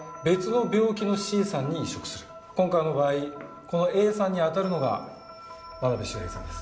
今回の場合このＡさんにあたるのが真鍋周平さんです。